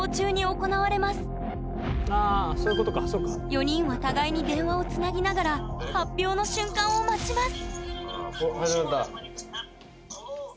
４人は互いに電話をつなぎながら発表の瞬間を待ちます